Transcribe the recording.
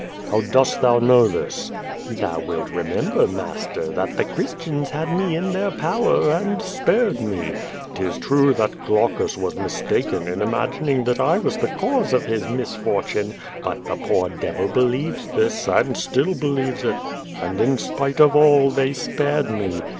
"How dost thou know this?" "Thou wilt remcmlKjr, master, that the Christians had me in their power and spared me. *Tis true that Glaucus was QUO VADIS. 253 mistaken in imagining that I was the cause of his misfortune, but the poor devil believes this, and still believes it. And, in spite of all, they si)ared me.